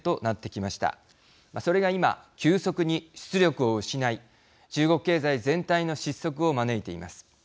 それが今急速に出力を失い中国経済全体の失速を招いています。